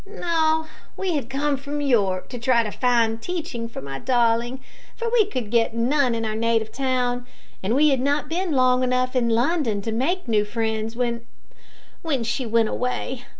"No. We had come from York to try to find teaching for my darling, for we could get none in our native town, and we had not been long enough in London to make new friends when when she went away.